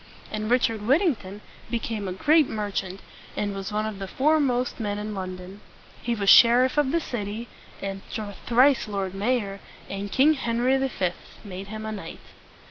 And Richard Whittington became a great merchant, and was one of the foremost men in London. He was sheriff of the city, and thrice lord mayor; and King Henry V. made him a knight.